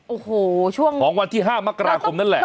โอ้โหช่วงของวันที่๕มกราคมนั่นแหละ